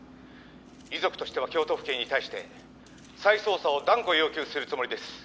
「遺族としては京都府警に対して再捜査を断固要求するつもりです」